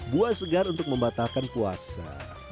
buah segar untuk membatalkan puasa